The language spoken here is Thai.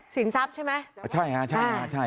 สินทรัพย์ใช่ไหม